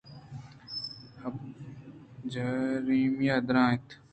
جیریمیاءَ درّائینت